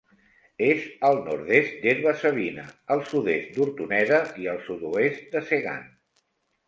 És al nord-est d'Herba-savina, al sud-est d'Hortoneda, i al sud-oest de Segan.